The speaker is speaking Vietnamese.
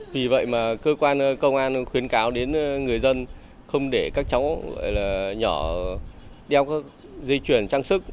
vì vậy mà cơ quan công an khuyến cáo đến người dân không để các cháu nhỏ đeo các dây truyền trang sức